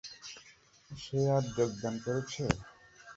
সে আজ যোগদান করছে?